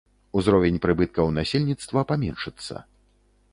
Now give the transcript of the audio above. Узровень прыбыткаў насельніцтва паменшыцца.